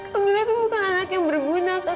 kamila tuh bukan anak yang berguna kak